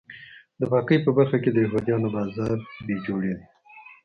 د پاکۍ په برخه کې د یهودیانو بازار بې جوړې دی.